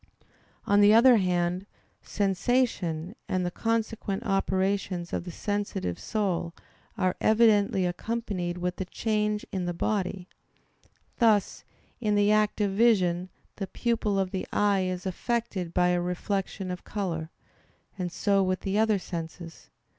On the other hand, sensation and the consequent operations of the sensitive soul are evidently accompanied with change in the body; thus in the act of vision, the pupil of the eye is affected by a reflection of color: and so with the other senses.